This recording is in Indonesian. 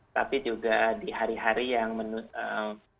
tapi juga di hari hari yang menurut